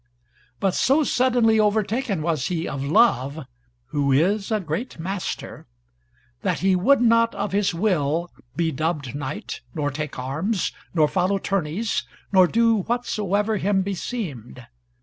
But so suddenly overtaken was he of Love, who is a great master, that he would not, of his will, be dubbed knight, nor take arms, nor follow tourneys, nor do whatsoever him beseemed.